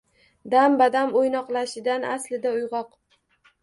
Dam-badam o’ynoqlashidan aslida uyg’oq.